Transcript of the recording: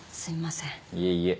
いえいえ。